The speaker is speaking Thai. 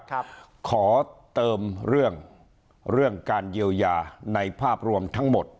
ขอเติมเรื่องเรื่องการเยียวยาในภาพรวมทั้งหมด